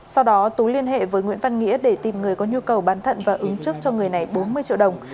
sau đó tú liên hệ với nguyễn văn nghĩa để tìm người có nhu cầu bán thận và ứng trước cho người này bốn mươi triệu đồng